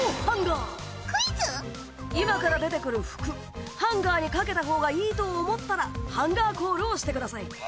今から出てくる服ハンガーにかけたほうがいいと思ったらハンガーコールをしてください。